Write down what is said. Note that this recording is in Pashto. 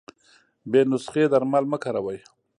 بې نسخي درمل مه کاروی